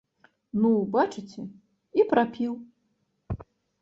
Ну, бачыце, і прапіў.